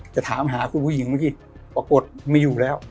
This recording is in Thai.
จะถามหาคุณผู้หญิงเมื่อกี้ปรากฏไม่อยู่แล้ว